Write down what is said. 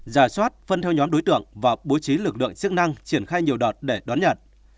giả soát phân theo nhóm đối tượng và bố trí lực lượng chức năng triển khai nhiều đợt để đón nhận